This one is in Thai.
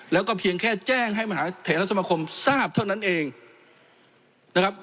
แล้วก็เพียงแค่แจ้งให้มหาเทราสมคมทราบเท่านั้นเองนะครับ